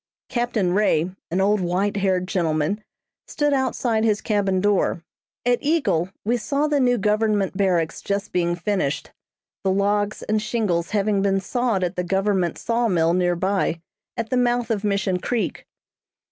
Captain Ray, an old white haired gentleman, stood outside his cabin door. At Eagle we saw the new government barracks just being finished, the logs and shingles having been sawed at the government saw mill near by, at the mouth of Mission Creek.